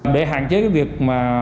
để hạn chế việc mà